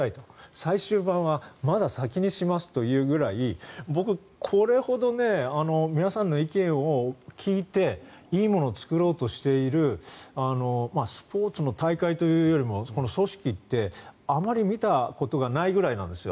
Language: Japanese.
最終版はまだ先にしますというぐらい僕、これほど皆さんの意見を聞いていいものを作ろうとしているスポーツの大会というよりもこの組織って、あまり見たことがないぐらいなんですよ。